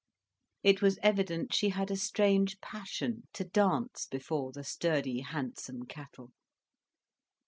It was evident she had a strange passion to dance before the sturdy, handsome cattle.